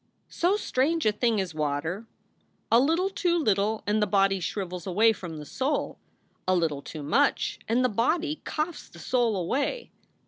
So strange a thing is water: a little too little and the body shrivels away from the soul, a little too much and the body coughs the soul away.